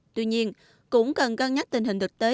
tuy nhiên cũng cần cân nhắc tình hình thực tế